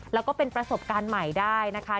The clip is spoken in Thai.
แล้วก็เป็นประสบการณ์ใหม่ได้นะคะ